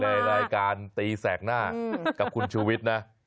ในรายการตีแสกหน้ากับคุณชูวิทย์นะ